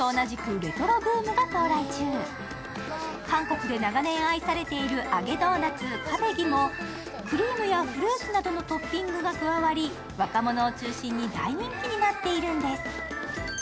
韓国で長年愛されている揚げドーナツ、クァベギもクリームやフルーツなどのトッピングが加わり、若者を中心に大人気になっているんです。